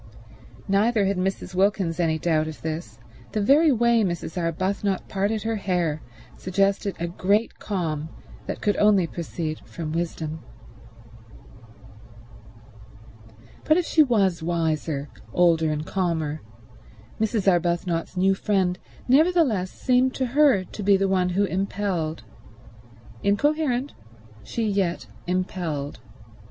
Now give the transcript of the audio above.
Neither had Mrs. Wilkins any doubt of this; the very way Mrs. Arbuthnot parted her hair suggested a great calm that could only proceed from wisdom. But if she was wiser, older and calmer, Mrs. Arbuthnot's new friend nevertheless seemed to her to be the one who impelled. Incoherent, she yet impelled.